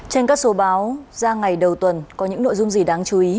trên các số báo ra ngày đầu tuần có những nội dung gì đáng chú ý